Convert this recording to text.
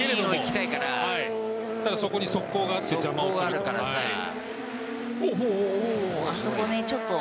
ただ、そこに側溝があって邪魔をすると。